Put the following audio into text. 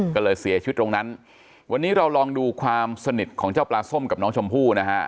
ก็เลยเสียชีวิตตรงนั้นวันนี้เราลองดูความสนิทของเจ้าปลาส้มกับน้องชมพู่นะฮะ